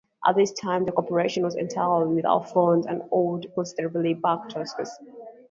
At this time the corporation was entirely without funds and owed considerable back taxes.